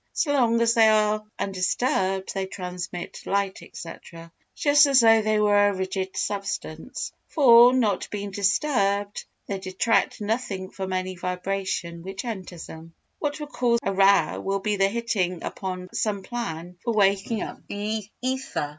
So long as they are undisturbed they transmit light, etc., just as though they were a rigid substance, for, not being disturbed, they detract nothing from any vibration which enters them. What will cause a row will be the hitting upon some plan for waking up the ether.